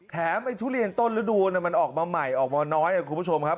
ไอ้ทุเรียนต้นฤดูมันออกมาใหม่ออกมาน้อยคุณผู้ชมครับ